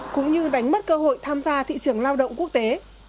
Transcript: cũng như đánh mất cơ hội tham gia thị trường lao động quốc tế